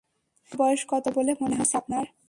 আমার বয়স কত বলে মনে হচ্ছে আপনার?